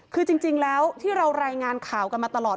คือจริงแล้วที่เรารายงานข่าวกันมาตลอด